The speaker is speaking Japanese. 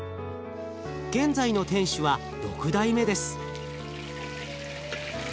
現在の店主は６代目です。